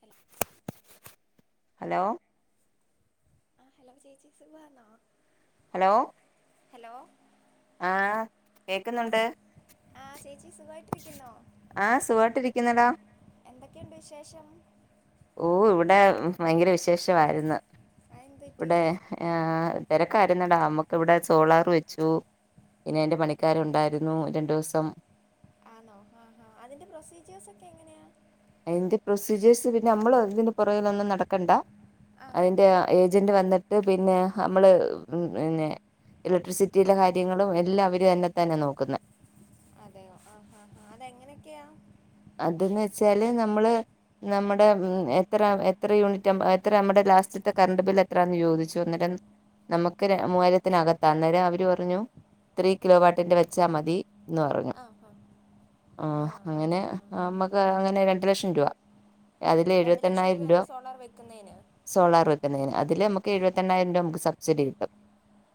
Hello hello ആഹ് hello ചേച്ചി സുഖാണോ ഹലോ ഹലോ ആഹ് കേക്കുന്നുണ്ട് ആഹ് ചേച്ചി ചേച്ചി സുഖായിട്ടിരിക്കുന്നോ ആഹ് സുഖായിട്ടിരിക്കുന്നടാ എന്തൊക്കെയുണ്ട് വിശേഷം ഓ ഇവിടെ ഭയങ്കര വിശേഷാവായിരുന്ന് ആ എന്ത് പറ്റി ഇവിടെ ഏഹ് തിരക്കാരുന്നടാ നമ്മുക്ക് ഇവിടെ സോളാർ വെച്ചു പിന്നെതിൻ്റെ പണിക്കാരു ഉണ്ടായിരുന്നു രണ്ടു ദിവസം ആണോ ആഹ് ഹ അതിൻ്റെ പ്രൊസീജിയേഴ്സ് ഒക്കെ എങ്ങനെയാ അതിന്റെ പ്രൊസീജിയേഴ്സ് പിന്നെ നമ്മള് ഇതിൻ്റെ പുറകിലൊന്നും നടക്കണ്ട ആ ഹാ അതിന്റെ ഏജന്റ് വന്നി പിന്നെ നമ്മള് പിന്നെ ഇലക്ട്രിസിറ്റിയിലെ കാര്യങ്ങളും എല്ലാം അവര് തന്നെ തന്നാ നോക്കുന്നെ അതേയോ ആഹ് ആഹ് അതെങ്ങനെയൊക്കെയാ അതന്ന് വെച്ചാല് നമ്മള് നമ്മടെ എത്ര എത്ര യൂണിറ്റ് എത്ര നമ്മുടെ ലാസ്റ്റത്തെ കറണ്ട് ബില്ല്എത്രാന്ന് ചോദിച്ചു അന്നേരം നമുക്ക് മൂവായിരത്തിനകത്താ അന്നേരം അവര് പറഞ്ഞു ത്രി കിലോവാട്ടിന്റെ വെച്ചാ മതി ന്ന് പറഞ്ഞു ആ ഹാ ആ ആഹ് ആ അങ്ങനെ ആ അങ്ങനെ രണ്ടു ലക്ഷം രൂപ അതില് രണ്ട് എഴുപത്തി ലക്ഷം എണ്ണായിരം രൂപയാണ് രൂപ സോളാർ വെക്കുന്നതിന് സോളാർ വെക്കുന്നേന് അ ഇതില് നമുക്ക് എഴുപത്തിഎണ്ണായിരം രൂപ നമുക്ക് സബ്സിഡി കിട്ടും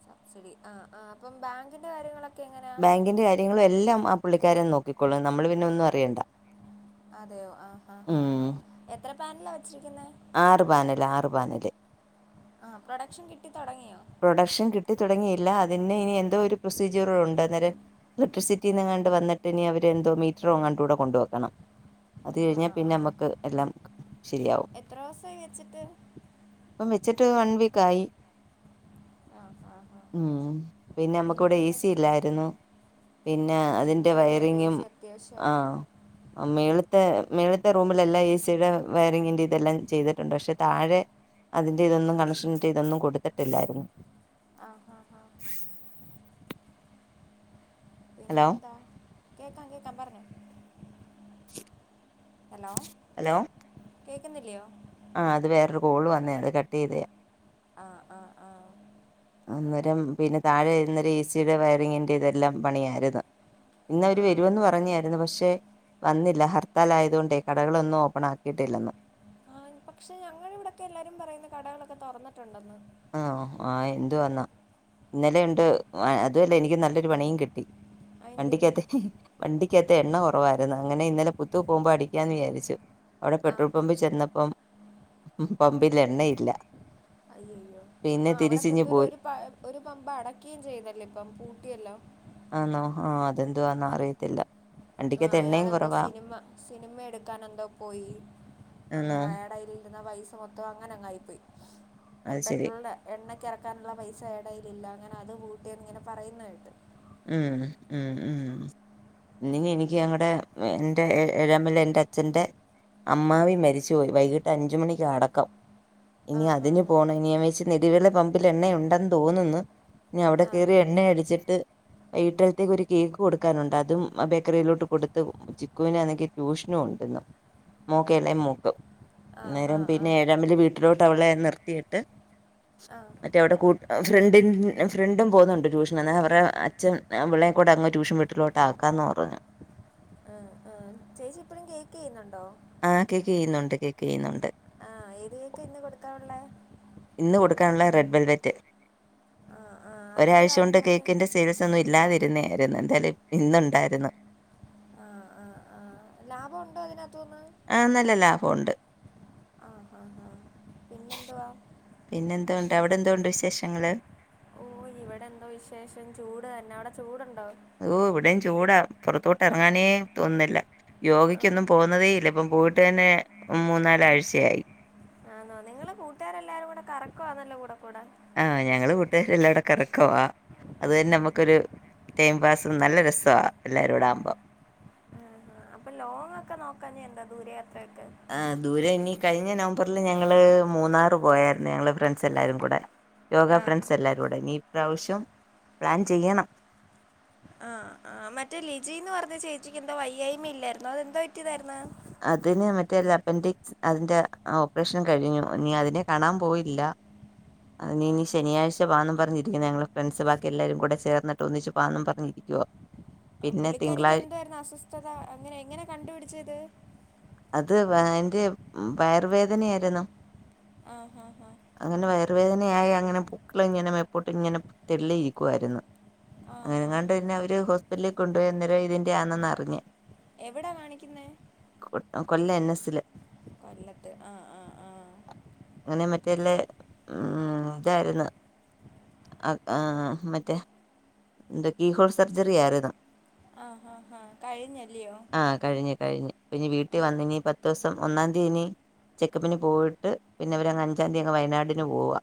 സബ്സിഡി ആ ആ അപ്പം ബാങ്കിൻ്റെ കാര്യങ്ങളൊക്കെ എങ്ങനെയാ ബാങ്കിന്റെ കാര്യങ്ങളും എല്ലാം ആ പുള്ളിക്കാരൻ നോക്കിക്കോളും നമ്മള് പിന്നെ ഒന്നും അറിയണ്ട അതെയോ ആഹ് ആഹ് ആഹ് ഉം എത്ര പാനില വെച്ചിരിക്കുന്നേ ആറ് പാനല് ആറു പാനല് ആ പ്രൊഡക്ഷൻ കിട്ടി തൊടങ്ങിയാ പ്രൊഡക്ഷൻ കിട്ടി തൊടങ്ങിയില്ല അതിന്ന് ഇനി എന്തോ ഒരു പ്രൊസീജറൂടെ ണ്ട് അന്നേരം ഇലക്ട്രിസിറ്റി നിന്നങ്ങാണ്ട് വന്നിട്ട് ഇനി അവര് എന്തോ മീറ്ററോ എങ്ങാണ്ട് ഇവടെ കൊണ്ട് വെക്കണം അത് ആ കഴിഞ്ഞാ പിന്നെ ആ നമ്മക്ക് എല്ലാം ശെരിയാവും എത്ര ദിവസായി വെച്ചിട്ട് ഇപ്പം വെച്ചിട്ട് വൺ വീക്ക് ആയി ആ ആ ആ ഉം പിന്നെ നമുക്കിവിടെ പിന്നെന്താ എസി ഇല്ലായിരുന്നു ആ പിന്നെ അതിന്റെ ചൂടല്ലേ അപ്പോൾ എ വയറിങ്ങും സി ആ അത്യാവശ്യമാണ് മേള് ത് മേളിത്തെ റൂമില് എല്ലാം എ സിയുടെ വയറിങ്ങിന്റെ ഇതെല്ലാം ചെയ്തിട്ടുണ്ട് പക്ഷെ താഴെ അതിന്റെ ഇതൊന്നും കണക്ഷൻ ഇതൊന്നും കൊടുത്തിട്ടില്ലായിരുന്നു ആ ഹാ ഹാ [inaudible] ഹലോ പിന്നെന്താ കേൾക്കാം കേൾക്കാം പറഞ്ഞോ [inaudible] ഹലോ കേക്ക്ന്നില്ലയോ? ആഹ്ആ അത് വേറൊര് കോള് വന്നേയാ അത് കട്ട് എയ്തതാ ആ ആ ആ അന്നേരം പിന്നെ താഴെ ന്നേരം എ സിയുടെ വയറിങ്ങിൻ്റെ ഇതെല്ലാം പണിയായിരുന്നു ആ ഇന്നവര് വരുമെന്ന് പറഞ്ഞായിരുന്നു പക്ഷെ വന്നില്ല ഹർത്താലായതുകൊണ്ടേ കടകളൊന്നും ഓപ്പൺ ആക്കിയിട്ടില്ലെന്ന് ആ പക്ഷേ ഞങ്ങളിവിടെക്കെ എല്ലാരും പറയുന്ന കടകളൊക്കെ തുറന്നിട്ടുണ്ടെന്ന് ആണോ? ആഹ്ആ എന്തുവാന്ന ഇന്നലെ ഒണ്ട് ഉം, അതുമല്ല എനിക്ക് നല്ലൊരു പണിയും കിട്ടി അതെന്ത് പറ്റി വണ്ടിക്കാത്തെ ഹി ഹി വണ്ടി കാത്ത് എണ്ണ കുറവായിരുന്നു. അങ്ങന ഇന്നലെ പുത്തൂ പോകുമ്പോ അടിക്കാന്ന് വിചാരിച്ചു. അവ്ടെ ആ പെട്രോൾ ആ പമ്പിൽ ചെന്നപ്പം. ഉം പമ്പിലെണ്ണയില്ല. അയ്യയ്യോ ആ അവിടെ പുത്തൂര് ഒരു ഒരു പമ്പ് അടക്കുകയും ചെയ്തല്ലേ ഇപ്പം. ട്ടിയല്ലോ. ആഹ നോ ആഹ് അതെന്തുവാന്ന് അറിയത്തില്ല. ആ വണ്ടിക്കകത്ത് എണ്ണയും അയാളെന്തോ കുറവാ സിനിമ, സിനിമ എടുക്കാൻ എന്തോ പോയി. ആന്നോ അങ്ങനെ അയാടെ വര്ന്ന പൈസ മൊത്തം അങ്ങനങ്ങായി പോയി. പ്പ അത് ശരി പെട്രോളിന്റെ എണ്ണക്ക് ഇറക്കാനുള്ള പൈസെ. കൈയിലില്ല അങ്ങനെ അത് വൂട്ടെന്ന് ഇങ്ങനെ പറയുന്ന കേട്ട്. ഉംഹ് ഉംഹ് ഉ ഇനി എനിക്ക് ഞങ്ങടെ എന്റെ ഏഴാമല എന്റെ അച്ഛന്റെ അമ്മാവി മരിച്ചുപോയി. വൈകിട്ട് അഞ്ച് മണിക്കാ അടക്കം. ആ ഇനി ഹാ അതിന് ഹാ പോണം ഇനിയ ഞാവെച് നെടുവേള പമ്പിൽ എണ്ണ ഒണ്ടെന്ന് തോന്നുന്ന്. ഇനി അവിടെ ആ കയറി എണ്ണയടിച്ചിട്ട്. വീട്ടിലത്തേക്ക് ഒരു കേക്ക് കൊടുക്കാനുണ്ട്. അതും ബേക്കറിയിലോട്ട് കൊടുത്ത് ചിക്കുവിനാണെങ്കിൽ ട്യൂഷനും ഉണ്ടിന്ന്. മോക്ക് ഇളയ മോക്ക് ആ ആ ആ അന്നേരം ആ പിന്നെ ഏഴാമ്പലി വീട്ടിലോട്ട് അവളെ നിർത്തിട്ട് ആ മറ്റേ ആ അവിടെ കു ഫ്രണ്ടി ഫ്രണ്ടും പോകുന്നുണ്ട് ട്യൂഷൻ അവടെ. അച്ഛൻ അവള്ളേയും കൂടെ അങ്ങ് ട്യൂഷൻ വിട്ടിലോട്ട് ആക്കാന്ന് പറഞ്ഞു. ആ ചേച്ചി ഇപ്പഴും കേക്ക് ചെയ്യ്ന്നൊണ്ടോ? ആ കേക്ക് ചെയ്യുന്നൊണ്ട് കേക്ക് ചെയ്യുന്നുണ്ട്. ആഹ കേക്കാ ഇന്ന് കൊടുക്കാനുള്ളെ. ക്കാനുള്ള റെഡ് ബെൽവറ്റ്. ആ അതിൻ്റെ ഒരാഴ്ച കൊണ്ട് കാര്യങ്ങളൊക്കെ കേക്കിന്റെ സെയിൽസ് ഒന്നു ഇല്ലാതിരുന്നേ. ഏതാലും ഇന്നൊണ്ടായിരുന്നു ആ ആ ആ ലാഭം ഒണ്ടോ അതിനത്തൂന്ന്. ആഹ നല്ല ലാഭം ഒണ്ട്. ആഹഹാ ആ പിന്നെന്തുവാ. പിന്നെന്തോണ്ട് അവിടെ എന്തോണ്ട് വിശേഷങ്ങള്. ഓ ഇവിടെ എന്തോ വിശേഷം ചൂട് തന്നെ. അവിടെ ചൂടുണ്ടോ? ഓ ഇവിടയും ചൂടാ പുറത്തോട്ട് ഇറങ്ങാനേ തോന്നുന്നില്ല. ആ യോഗക്കൊന്നും പോകുന്നതേ ഇല്ല. ഇപ്പം പോയിട്ട് തന്നെ മും മൂന്നാലാഴ്ചയായി. കൂട്ടുകാരെല്ലാരും കൂടെ കറക്കവാണല്ലേ കൂടെ കൂടെ. ആഹ ഞങ്ങള് കൂട്ടുകാരെല്ലാം കൂടെ കറക്കവാ. അത് തന്നെ നമ്മുക്കൊരു ടൈം പാസ്, നല്ല രസവാ എല്ലാരുടെ ആകുമ്പോ. [unintelligible] നോക്കാഞ്ഞെ എന്താ ദൂരയാത്രയൊക്കെ. ആ ദൂരെ ഇനി കഴിഞ്ഞ നവംബറില് ഞങ്ങള് മൂന്നാറ് പോയായിരുന്നു. ഞങ്ങള് ഫ്രണ്ട്സ് എല്ലാരും കൂടെ യോഗ ആഹാ. ഫ്രണ്ട്സ് എല്ലാരൂടെ നീ- പ്രാവശ്യം പ്ലാൻ ചെയ്യണം. ആ ആ മറ്റേ ലിജീന്ന് പറഞ്ഞ ചേച്ചിക്ക് എന്തോ വയ്യായ്മ ഇല്ലായിരുന്നോ അത് എന്തോ പറ്റിയതായിര്ന്നു അതിന് മറ്റേ ല അപ്പൻഡിക്സ് അതിന്റെ ഓപ്പറേഷൻ കഴിഞ്ഞു. ഇനി അതിനെ കാണാൻ പോയില്ല അതിനി ആഹാ. ശനിയാഴ്ച പാന്ന് പറഞ്ഞിരിക്കുന്നു. ഞങ്ങളെ ഫ്രണ്ട്സ് ബാക്കി എല്ലാരും കൂടെ ചേർന്നിട്ട് ഒന്നിച്ച് പാന്ന് പറഞ്ഞിരിക്കുവാ. ആ പുള്ളിക്കാരിക്ക് എന്ത്വായിരുന്നു അസ്വസ്ഥത. അങ്ങനെ എങ്ങനെ കണ്ടുപിടിച്ചിത്. അത് [unintelligible] വയറുവേദനയാരുന്നു. ആഹാ ഹാ അങ്ങനെ വയറ്. വേദനയായ അങ്ങനെ പൊക്ക്ള് ഇങ്ങനെ മേപ്പോട്ടു ഇങ്ങനെ തെള്ളിയിരിക്കുവാരുന്നു. ആഹാ അങ്ങനെങ്ങാണ്ട്ന്നെ അവര് ഹോസ്പിറ്റലേ കൊണ്ടുപോയി അന്നേരം ഇതിന്റെ ആണെന്ന് അറിഞ്ഞേ. എവിടാ കാണിക്കുന്നെ. കൊല്ല എൻസ്സില് കൊല്ലത്ത് ആഹ് ആഹ് ആഹ് മറ്റല്ലെ ഉ ഇതായിരുന്നു ആഹ് മറ്റേ എന്റെ കീഹോൾ സർജറി ആരുന്നു ആ ഹാ ഹാ കഴിഞ്ഞല്ലിയോ ആഹ് കഴിഞ്ഞ് കഴിഞ്ഞ് ഇനി വീട്ടിൽ വന്നിനി പത്ത് ദിവസം ഒന്നാം തീയതി ഇനി ചെക്കപ്പിന് പോയിട്ട് പിന്നവരങ്ങ് അഞ്ചാം തീയതി അങ്ങ് വയനാടിന് പോവാ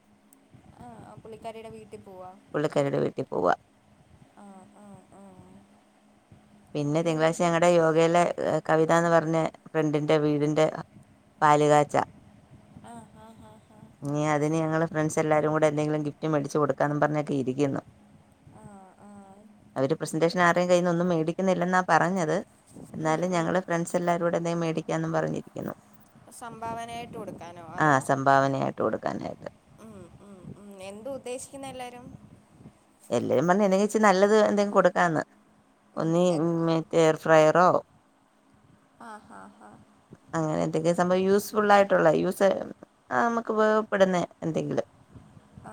ആ ആ, പുള്ളിക്കാരിയുടെ വീട്ടിൽ പോവാ പുള്ളിക്കാരീടെ വീട്ടിൽ പോവ്വാ ആ ആ ആ പിന്നെ തിങ്കളാഴ്ച ഞങ്ങളുടെ യോഗയിലെ കവിത എന്ന് പറഞ്ഞ ഫ്രണ്ടിന്റെ വീടിറെ പാലുകാച്ച ആ ആ ആ ഇനി അതിന് ഞങ്ങള് ഫ്രണ്ട്സ് എല്ലാരും കൂടെ എന്തെങ്കിലും ഗിഫ്റ്റ് മേടിച്ചു കൊടുക്കാന്ന് പറഞ്ഞൊക്കെ ഇരിക്കുന്നു ആ ആ അവര് പ്രസൻറേഷൻ ആരേും കയ്യിന്ന ഒന്നും മേടിക്കുന്നില്ലെന്നാ പറഞ്ഞത് ഉം, എന്നാലും ഉം. ഞങ്ങള് ഫ്രണ്ട്സ് എല്ലാവരുംൂടെ എന്തെങ്കും മേടിക്കാെന്നും പറഞ്ഞിരിക്കുന്നു സംഭാവനയായിട്ട് കൊടുക്കാനോ അതോ തന്നെക് ഉം ഉം ഉം എന്ത് ഉദ്ദേശിക്കുന്ന എല്ലാരും എന്തെങ്കച്ചച്ച് നല്ലത് എന്തെിലും കൊടുക്കാന്ന് ഉം, എ- ഒനിങ്ങേ എയർ ഫ്രയറോ ആഹ് ഹാ സംഭവ യൂസ്ഫുൾ ആയിട്ടുള്ള യൂസ് നമുക്ക് ഉപയോഗപ്പെടുന്ന എന്തെങ്കിലും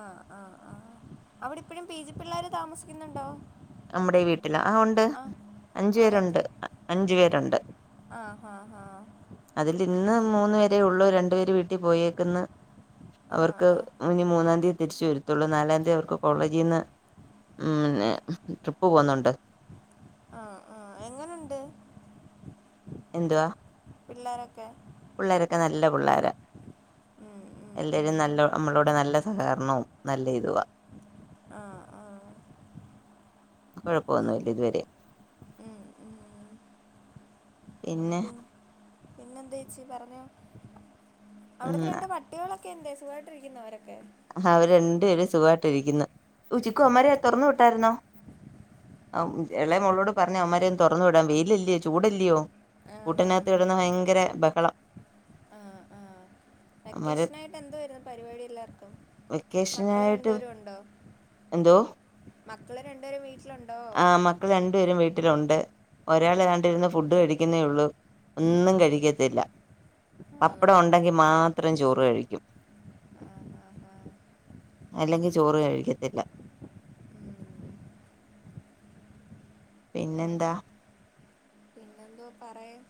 ആ ആ ആ അവിടെ ഇപ്പഴും പി ജി പിള്ളോര് താമസിക്കുന്നുണ്ടോ നമ്മുടെ വീട്ടില ആ ഉണ്ട് അഞ്ചു ആ നേരത്തെ പേരുണ്ട് അഞ്ചു പേർ ആ ഒണ്ട് ആ ഹാ ഹാ മൂന്ന വരേ ഉള്ളൂ രണ്ടുപേര് വീട്ടിൽ പോയേക്കുന്നു ആ അവർക്ക് ആ ഇനി മൂന്നാം തീയതി തിരിച്ച്. വെരുത്തൊള്ളു നാലാം തീ അവർക്ക് കോളേജിന്ന് ഉം പിന്നെ ട്രിപ്പ് പോുന്നുണ്ട് ആ ആ എങ്ങനുണ്ട് എന്തുവാ പിള്ളേർൊക്കെ പുള്ളേരൊക്കെ നല്ല പുള്ളോര ഉം, ഉം, എല്ലരും ഉം. നല്ല നമ്മളോടെ നല്ല സഹകരണവും നല്ല ഇതുവ ആ ആ പിൻ കുഴപ്പമൊന്നല്ല ഇതുവരെ ഉം, ഉം. പിന്നെ എന്തെച്ചി പറഞ്ഞോ ഉം അവിടത്തെ രണ്ട് പട്ടികളൊക്ക ഒക്കെ എന്ത സഖമായിട്ടിരിക്കുന്നരൊക്കെ ആ അവര് രണ്ടു പേരും സുഖമായിട്ട് ഇരിക്കുന് ഉച്ചിക്കു അമാര തുറന്നു വിട്ടാരുന്നോ ആ എളയ മോളോട് പറഞ്ഞു അമാരന്നു തുറന്നു വിടാം വെയിലല്ലയോ ചൂടല്ലയോ കൂട്ടനകത്ത് ആണാണ് ഇടന്ന് ഭയങ്കര ബഹളം അവന്മാര് വെക്കേഷന ആായിട്ട് എന്ത്വാർന്ന് പരിപാടി എല്ലാർക്കും വെക്കേഷനായിട്ട് എന്തോ മക്കളെ രണ്ടപേരെ വി ആ മക്കൾ രണ്ടുപേരും വീ ട്ടിലുണ്ട് ഒരാൾ ആ രാണ്ടിരുന്ന് ഫുഡ് കഴി ക്കുന്നെയുള്ളൂ ആ ഒന്നും കഴിക്കത്തില്ല ആണോ പപ്പടം ഒണ്ടെങ്കിമാത്രം ചോറ് കഴിക്കും ആ ആ ആ അല്ലെങ്കിൽ ചോറ് കഴിക്കത്തില്ല ഉം. പിന്നെന്താ പിന്നെ പിന്നെന്തോ പറയാൻ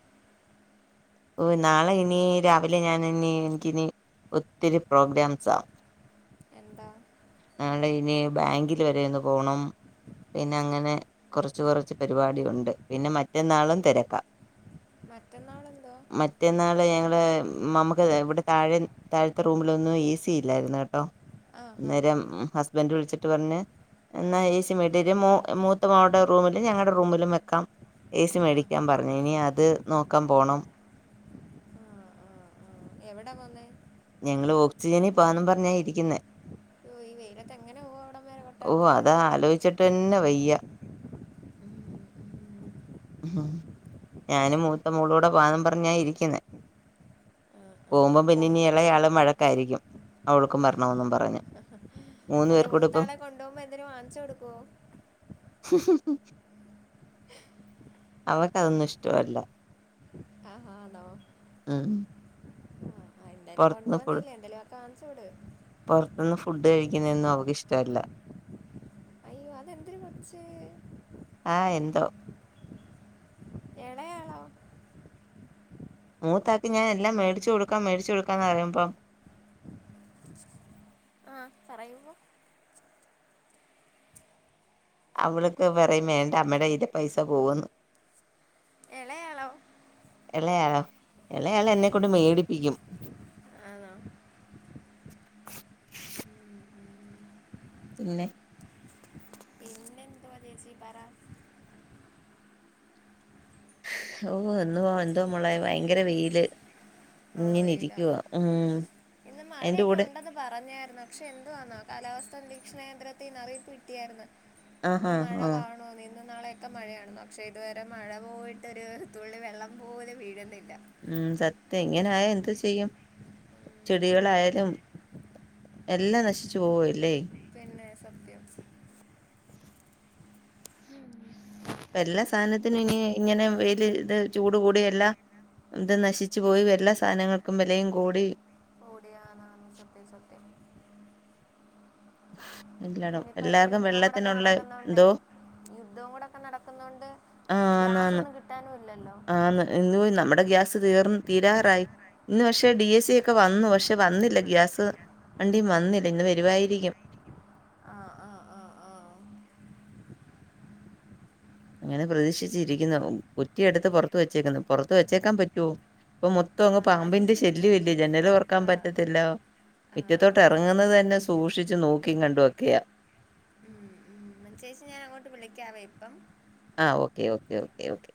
ഓ നാളെ ഇനി രാവിലെ ഞാൻ ഇനി എനിിക്കിനി ഒത്തിരി പ്രോഗ്രാംസ ആ എന്താ നാളെ ഇനി ബാങ്കിൽ വരെ ഒന്ന് പോണം പിന്നെ അങ്ങനെ കൊറച്ച് കൊറച്ച് പരിപാടി ഉണ്ട് പിന്നെ മറ്റന്നാളുംതെ രക്കാ [inaudible] ങ്ങള് മമക്ക് ഇവിടെ താഴെ താഴത്തെ റൂമിലൊന്നും എ സി ഇല്ലായിരുന്നു കേട്ടോ ആ ആ അന്നേരം ബൻഡറ് വിളിച്ചിട്ട് പറഞ്ഞ് എന്നാൽ ഏസി മെടീര് മൂത്തമോള്ടെ റൂമിലും ഞങ്ങളുടെ റൂമിലും വെക്കാം ഏ സി മേടിക്കാൻ പറഞ്ഞു ഇനി അ അത് നോക്കാൻ പോണം ആ ആ എവിടാ പോന്നേ ഞങ്ങൾ ഓക്സിജനി പാനുംപറഞ്ഞാ ഇരിക്കുന്ന ഓ ഈ വെയിലത്ത് എങ്ങനെ പോവും അവിടം വരെ ഓ കൊട്ടാരക്കര അതാ വരെ ആലോചിച്ചിട്ട്ന്നെ വയ്യ ഉ ഞാനും മൂത്ത മോളൂടെ പോനും പറഞ്ഞാഇരിക്കുന്നെ ആ ആ പോമ്പം പോ പിന്നിനീ ളും വഴക്കായിരിക്കും അവൾക്കും വരണോന്നും പറഞ്ഞ് മൂന്ന് അല്ല പേർക്കൂടെ ഇപ്പം മൂത്താളെ കൊണ്ടോമ്പോ എന്തിലും വാങ്ങിച്ച് കൊടുക്കുവോ [unintelligible] അവക്ക് അതൊന്നും ഇഷ്ടല്ല ആഹ ആണോ എന്താലും പുറത്തുന്ന് ഫുഡ് കൊണ്ടോന്നല്ലേ എന്തേലുവൊക്കെ വാങ്ങിച്ചുകൊട് ന്ന ഒന്നും അവക്ക് ഇഷ്ടല്ല അയ്യോ അതെന്തിര് കൊച്ച് ആ എന്തോ ഇളയാളോ മൂത്താക്കി ഞാൻ എല്ലാം മേടിച്ചു കൊടുക്കാം മേടിച്ചു കൊടുക്കാന്ന് പറയുമ്പം ആ പറയുമ്പോ അവൾക്ക് പറയും വേണ്ട അമ്മടെ കൈലെ പൈസ പോവുന്ന് ഇളയാളോ എളയാളോ എളയാള് എന്നെ കൊണ്ട് മേടിപ്പിക്കും. ആണോ പിന്നെ പിന്നെ എന്തുവാ ചേച്ചി പറ. ഓ എന്നുവാ എന്തുവാ മോളെ ഭയങ്കര വെയില് ഇങ്ങനെ വെയില ഇരിക്കുവാ ഉം ഇന്ന് അതിന്റെ മഴയൊക്കെ കൂടെ ഉണ്ടെന്ന് പറഞ്ഞായിരുന്നു പക്ഷെ ന്തുവാനാ കാലാവസ്ഥ സംരക്ഷണ കേന്ദ്രത്തിൽനിന്ന് അറീപ്പ് കിട്ടിയായിരുന്നു. ആഹാ ഇന്ന് മഴ ആ കാണോ നീ നാളെയൊക്കെ മഴയണ പക്ഷേ ഇതുവരെ മഴ പോയിട്ടൊ ഒരു തുള്ളി വെള്ളം പോലും വീഴുന്നില്ല. ഉം സത്യം ഇങ്ങനൊയ എന്താ ചെയ്യും ചെടികളായാലും എല്ലാം നശിച്ചു പോവല്ലേ പിന്നെ സത്യം എല്ലാ സാധനത്തിനും ഇനി ഇങ്ങനെ വെയില് ഇത് ചൂട് കൂടി എല്ലാ ഇത് നശിച്ചു പോയി എല്ലാ സാധനങ്ങൾക്കും വിലയും കൂടി ഓടിയാന്നാണ് സത്യം സത്യം എല്ലടോ യുദ്ധോ കൂടൊക്കെ നടക്കുന്നോണ്ടേയ് യുദ്ധോ കൂടൊക്കെ നടക്കുന്നോണ്ട് ഗ്യാസൊന്നും കിട്ടാനും ഇല്ലല്ലോ ആന്ന്‌ [unintelligible] നമ്മുടെ ഗ്യാസ് തീർന്ന് തീരാറായി ഇന്ന് പക്ഷെ ഡി എസ് സി ഒക്കെ വന്നു പക്ഷെ വന്നില്ല ഗ്യാസ് വണ്ടീം വന്നില്ല ഇന്ന് വരുവായിരിക്കും ആ ആ ആ ആ അങ്ങനെ പ്രതീക്ഷിച്ചിരിക്കുന്നു കുറ്റിയെടുത്ത് പുറത്ത് വെച്ചേക്കുന്നു പുറത്ത് വെച്ചേക്കാൻ പറ്റോ ഇപ്പൊ മൊത്തം ആ അ നാരങ്ങ പാമ്പിന്റെ ശല്യം എടുത്തോണ്ട് അല്ലെ ജനൽ തൊറക്കാൻ ആ പറ്റ പറ്റത്തില്ല ആ ആ മുറ്റത്തോട്ട് ഇറങ്ങുന്നത് ശരിയാ തന്നെ സൂക്ഷിച്ച് നോക്കിയും കണ്ടു വക്കെയാ ഉമ ചേച്ചിയെ ഞാൻ അങ്ങോട്ട് വിളിക്കാവേ ഇപ്പം ആ ഓക്കെ ഓക്കെ ഓക്കെ ഓക്കെ